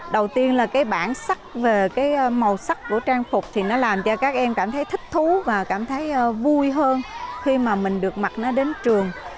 đầu tiên là cái bản sắc về cái màu sắc của trang phục thì nó làm cho các em cảm thấy thích thú và cảm thấy vui hơn khi mà mình được mặc nó đến trường